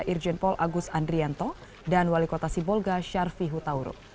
irjenpol agus andrianto dan wali kota sibolga syarfi hutawro